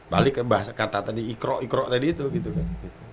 balik ke bahasa kata tadi ikro ikro tadi itu gitu kan